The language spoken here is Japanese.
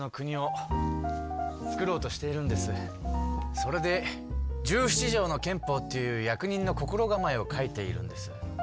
それで「十七条の憲法」っていう役人の心がまえを書いているんです。